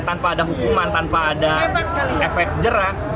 tanpa ada hukuman tanpa ada efek jerak